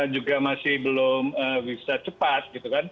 juga masih belum bisa cepat